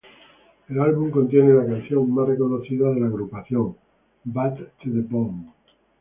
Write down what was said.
El álbum contiene la canción más reconocida de la agrupación, "Bad to the Bone".